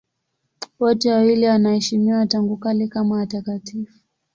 Wote wawili wanaheshimiwa tangu kale kama watakatifu.